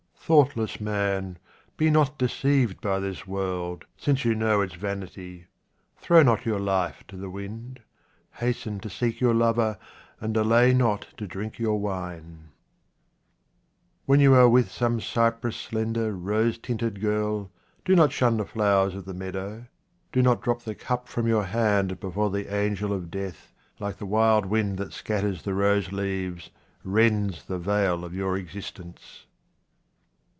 Thoughtless man, be not deceived by this world, since you know its vanity ! Throw not your life to the wind. Hasten to seek your lover, and delay not to drink your wine. 21 QUATRAINS OF OMAR KHAYYAM When you are with some cypress slender rose tinted girl, do not shun the flowers of the meadow, do not drop the cup from your hand before the angel of death, like the wild wind that scatters the rose leaves, rends the veil of your existence.